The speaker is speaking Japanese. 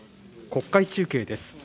国会中継です。